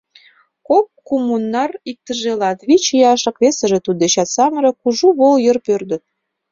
Кок коммунар, иктыже латвич ияшрак, весыже туддечат самырык, кужу вол йыр пӧрдыт.